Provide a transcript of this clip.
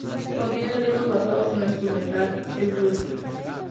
Contiene ritmos basados en lo instrumental, el blues.